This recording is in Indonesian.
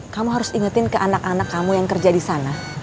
kamu harus ingetin ke anak anak kamu yang kerja di sana